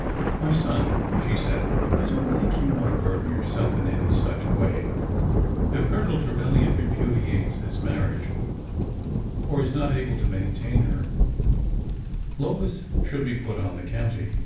'' My son," she said, I don't think you ought to bur den yourself in any such way. If Colonel Trevilian re pudiates this marriage, or is not able to maintain her, Lois should be put on the county."